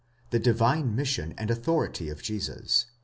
THE DIVINE MISSION AND AUTHORITY OF JESUS.